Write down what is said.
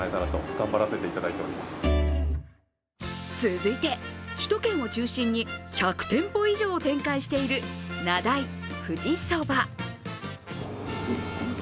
続いて首都圏を中心に１００店舗以上を展開している名代・富士そば。